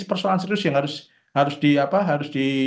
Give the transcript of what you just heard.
persoalan serius yang harus di